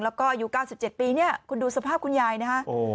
แล้วก็อายุ๙๗ปีเนี่ยคุณดูสภาพคุณยายนะฮะ